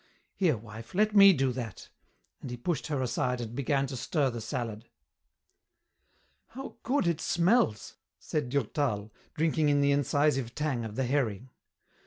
Here, wife, let me do that," and he pushed her aside and began to stir the salad. "How good it smells!" said Durtal, drinking in the incisive tang of the herring.